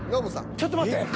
ちょっと待って。